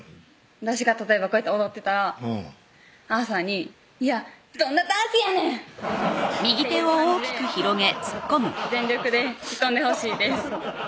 私が例えばこうやって踊ってたらアーサーに「いやどんなダンスやねん！」っていう感じで全力でツッコんでほしいです